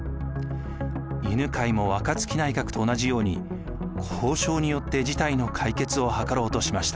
犬養も若槻内閣と同じように交渉によって事態の解決をはかろうとしました。